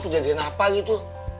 kejadian apa gitu